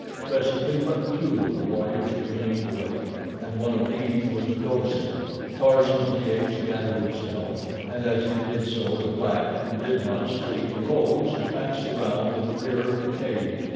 Presently but two of the warriors remained awake, and one of these was dozing. Tarzan of the Apes gathered himself, and as he did so the black who did not sleep arose and passed around to the rear of the cage.